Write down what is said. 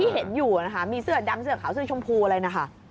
เห็นอยู่นะคะมีเสื้อดำเสื้อขาวเสื้อชมพูอะไรนะคะ